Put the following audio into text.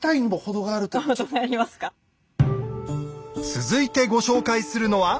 続いてご紹介するのは。